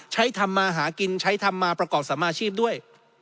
ทำมาหากินใช้ทำมาประกอบสมาชีพด้วย